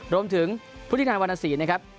รวมถึงผู้ที่งานวรรณศีรนะครับ